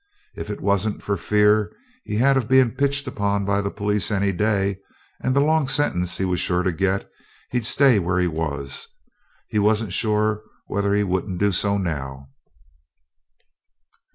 If it wasn't for the fear he had of being pitched upon by the police any day, and the long sentence he was sure to get, he'd stay where he was. He wasn't sure whether he wouldn't do so now.